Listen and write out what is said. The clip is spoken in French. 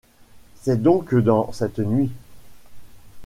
C’est donc dans cette nuit ?…